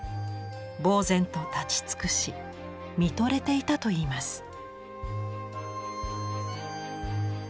ぼう然と立ちつくし見とれていたといいます。